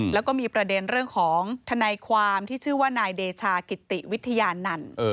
แล้วก็มีประเด็นเรื่องของทนายความที่ชื่อว่านายเดชากิติวิทยานันต์